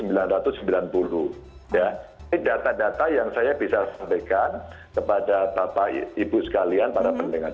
ini data data yang saya bisa sampaikan kepada bapak ibu sekalian para pendengar